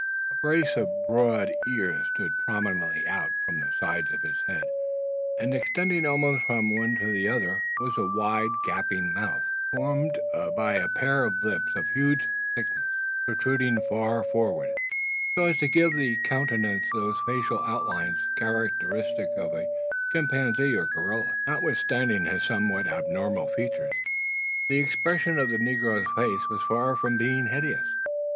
A brace of broad ears stood prominently out from the sides of his head; and extending almost from one to the other, was a wide gaping mouth, formed by a pair of lips of huge thickness, protruding far forward, so as to give to the countenance those facial outlines characteristic of the chimpanzee or gorilla. Notwithstanding his somewhat abnormal features, the expression of the negro's face was far from being hideous.